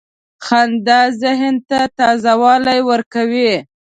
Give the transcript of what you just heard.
• خندا ذهن ته تازه والی ورکوي.